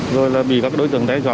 rồi bị các đối tượng đe dọa